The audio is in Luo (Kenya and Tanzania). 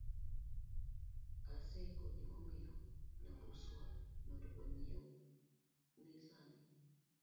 aseiko gi miyo Nambuswa mondo onyiewni san